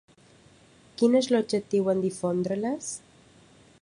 Quin és lobjectiu en difondre-les?